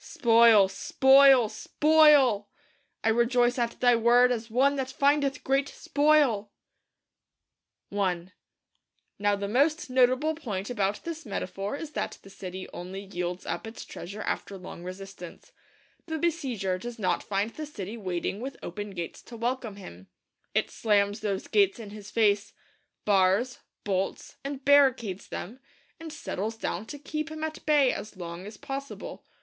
Spoil; spoil; SPOIL! 'I rejoice at Thy Word as one that findeth great spoil!' I Now the most notable point about this metaphor is that the city only yields up its treasure after long resistance. The besieger does not find the city waiting with open gates to welcome him. It slams those gates in his face; bars, bolts, and barricades them; and settles down to keep him at bay as long as possible.